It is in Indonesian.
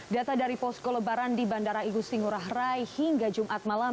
data dari posko lebaran di bandara igusti ngurah rai hingga jumat malam